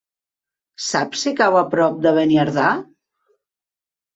Saps si cau a prop de Beniardà?